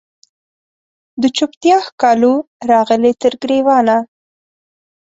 د چوپتیا ښکالو راغلې تر ګریوانه